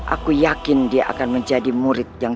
aku yakin dia akan menjadi murid yang